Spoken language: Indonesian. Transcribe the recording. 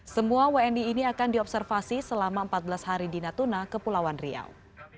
semua wni ini akan diobservasi selama empat belas hari di natuna kepulauan riau